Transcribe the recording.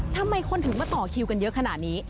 ทำไมคนถึงมาต่อคิวกันเยอะขนาดนี้